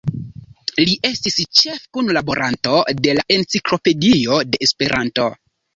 Li estis ĉefkunlaboranto de la Enciklopedio de Esperanto.